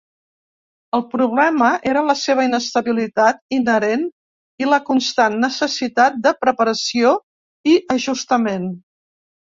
El problema era la seva inestabilitat inherent i la constant necessitat de preparació i ajustament.